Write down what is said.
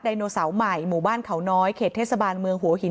โนเสาร์ใหม่หมู่บ้านเขาน้อยเขตเทศบาลเมืองหัวหิน